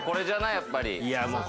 やっぱり。